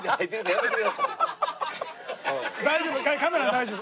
大丈夫。